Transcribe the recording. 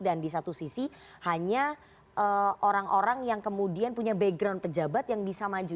dan di satu sisi hanya orang orang yang kemudian punya background pejabat yang bisa maju